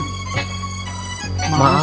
maaf lupa komandan